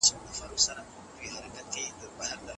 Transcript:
که ټولنيز ځواکونه متحد نسي سياسي پرمختګ ناشونی دی.